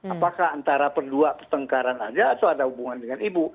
apakah antara berdua pertengkaran aja atau ada hubungan dengan ibu